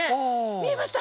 見えました。